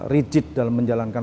rigid dalam menjalankan